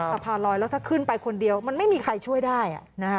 สะพานลอยแล้วถ้าขึ้นไปคนเดียวมันไม่มีใครช่วยได้